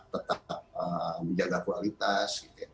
tetap menjaga kualitas